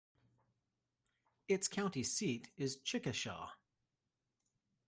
Its county seat is Chickasha.